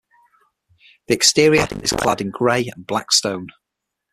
The exterior is clad in grey and black stone.